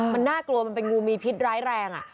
มันน่ากลัวมันเป็นงูมีพิษร้ายแรง